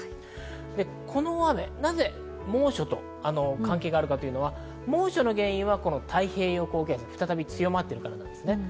この雨、なぜ猛暑と関係があるかというのは、猛暑の原因はこの太平洋高気圧、再び強まっているからです。